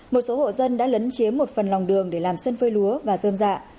một số hộ dân đã lấn chiếm một phần lòng đường để làm sân phơi lúa và dơm dạ